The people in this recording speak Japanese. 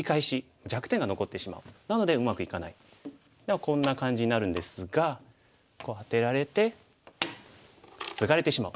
こんな感じになるんですがこうアテられてツガれてしまう。